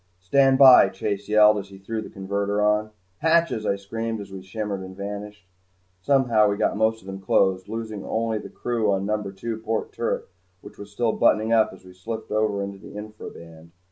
"Stand by!" Chase yelled as he threw the converter on. "Hatches!" I screamed as we shimmered and vanished. Somehow we got most of them closed, losing only the crew on number two port turret which was still buttoning up as we slipped over into the infra band.